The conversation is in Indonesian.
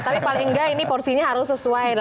tapi paling nggak ini porsinya harus sesuai